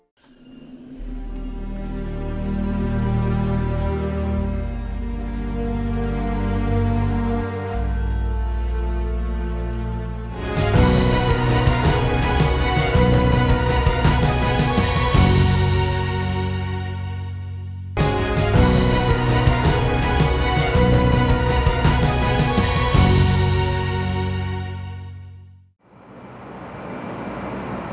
kisah yang lebih penting